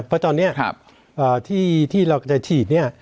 เพราะตอนนี้ที่เราจะฉีดเนี่ย